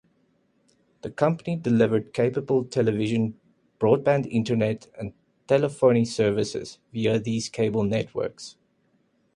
The company delivered cable television, broadband internet and telephony services via these cable networks.